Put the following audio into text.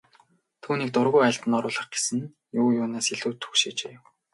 Түүнийг дургүй айлд нь оруулах гэсэн нь юу юунаас ч илүү түгшээжээ.